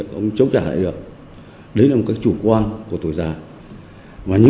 cảnh giác trách isa máu